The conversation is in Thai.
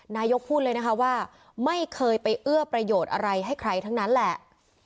นายกพูดเลยนะคะว่าไม่เคยไปเอื้อประโยชน์อะไรให้ใครทั้งนั้นแหละ